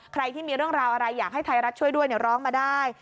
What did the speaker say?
ใครที่มีเรื่องราวอะไรอยากให้ไทยรัฐช่วยด้วยร้องมาได้